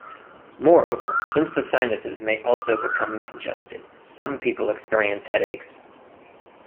Moreover, since the sinuses may also become congested, some people experience headaches.